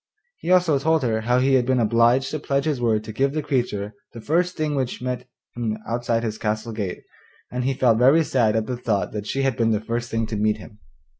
He also told her how he had been obliged to pledge his word to give the creature the first thing which met him outside his castle gate, and he felt very sad at the thought that she had been the first thing to meet him.